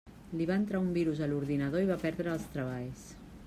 Li va entrar un virus a l'ordinador i va perdre els treballs.